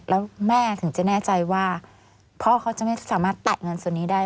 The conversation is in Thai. แล้วแม่ถึงจะแน่ใจว่าพ่อเขาจะไม่สามารถแตะเงินส่วนนี้ได้